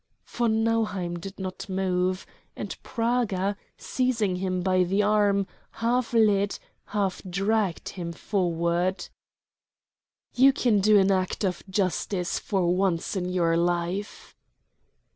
Von Nauheim did not move, and Praga, seizing him by the arm, half led, half dragged him forward. "You can do an act of justice for once in your life."